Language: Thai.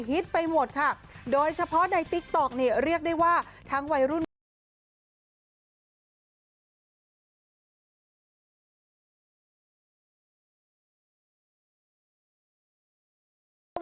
ไปหมดค่ะโดยเฉพาะในติ๊กต๊อกเนี่ยเรียกได้ว่าทั้งวัยรุ่นผู้ชาย